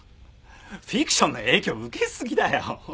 フィクションの影響受け過ぎだよ。